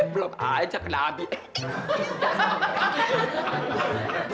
belum aja kena abik